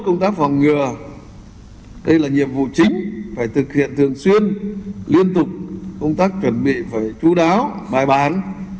công tác phòng ngừa đây là nhiệm vụ chính phải thực hiện thường xuyên liên tục công tác chuẩn bị phải chú đáo bài bản